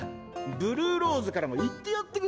ブルーローズからも言ってやってくれよ。